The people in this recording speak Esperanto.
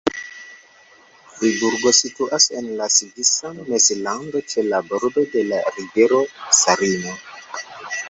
Friburgo situas en la Svisa Mezlando ĉe la bordo de la rivero Sarino.